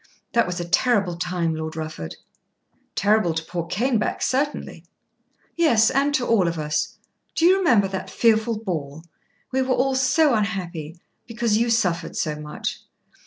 That was a terrible time, Lord Rufford." "Terrible to poor Caneback certainly." "Yes, and to all of us. Do you remember that fearful ball? We were all so unhappy, because you suffered so much."